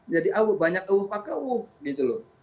jadi awuh banyak awuh paku gitu loh